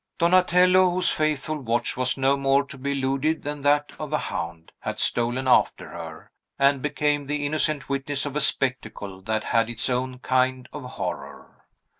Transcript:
Donatello, whose faithful watch was no more to be eluded than that of a hound, had stolen after her, and became the innocent witness of a spectacle that had its own kind of horror.